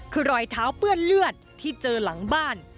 คือรอยเท้าเปื้อนเลือดที่เจอหลังบ้าน